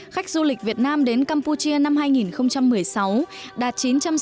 khách du lịch việt nam đến campuchia năm hai nghìn một mươi sáu đạt chín trăm sáu mươi